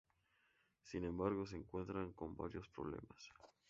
Sin embargo se encuentran con varios problemas.